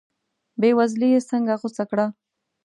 بې وزلي یې څنګه غوڅه کړه.